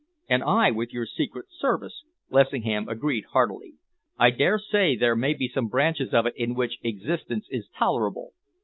"And I with your secret service," Lessingham agreed heartily. "I dare say there may be some branches of it in which existence is tolerable.